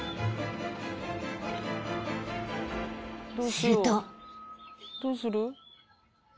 ［すると］